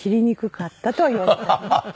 ハハハハ！